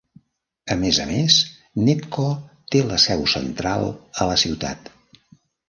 A més a més, Netco té la seu central a la ciutat.